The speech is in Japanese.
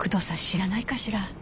知らないかしら？